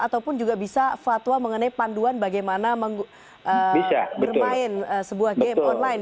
ataupun juga bisa fatwa mengenai panduan bagaimana bermain sebuah game online